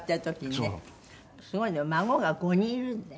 すごいね孫が５人いるのね？